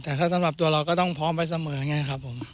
แต่ถ้าสำหรับตัวเราก็ต้องพร้อมไปเสมอไงครับผม